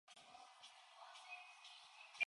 The disc also features "The Jackie Robinson Story".